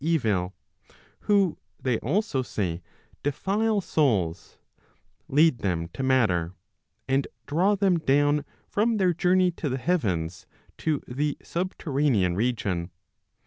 501 evil, who, they also say, defile souls, lead them to matter, and draw them down from their journey to the heavens to the subterranean region.